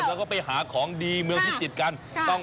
แล้วก็ไปหาของดีเมืองพิจิตรกัน